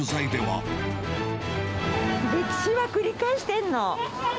歴史は繰り返してんの。